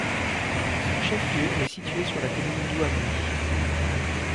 Son chef-lieu est situé sur la commune d'Ouamri.